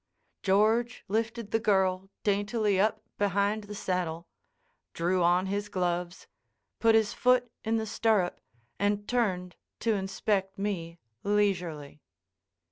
George lifted the girl daintily up behind the saddle, drew on his gloves, put his foot in the stirrup, and turned to inspect me leisurely.